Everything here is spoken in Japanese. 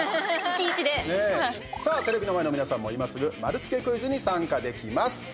さあ、テレビの前の皆さんも今すぐ丸つけクイズに参加できます！